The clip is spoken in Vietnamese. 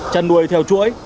trần đuôi theo chuỗi